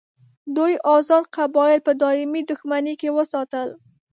دوی آزاد قبایل په دایمي دښمني کې وساتل.